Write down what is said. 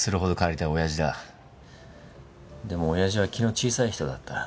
でもおやじは気の小さい人だった。